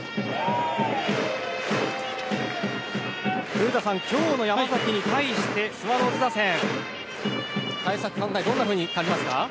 古田さん、今日の山崎に対してスワローズ打線は対策、考えどんなふうに感じますか。